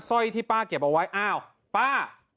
ร้อยที่ป้าเก็บเอาไว้อ้าวป้า